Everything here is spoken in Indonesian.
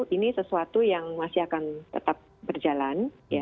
ini sesuatu yang masih akan tetap berjalan